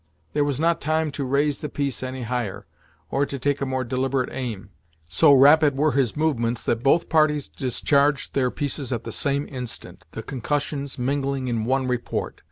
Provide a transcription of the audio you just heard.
There was not time to raise the piece any higher, or to take a more deliberate aim. So rapid were his movements that both parties discharged their pieces at the same instant, the concussions mingling in one report.